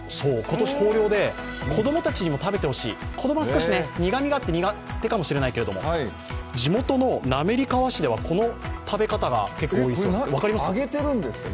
今年豊漁で、子供たちにも食べてほしい、子供は苦みがあって苦手かもしれないけど地元の滑川市ではこの食べ方が結構おいしいそうです。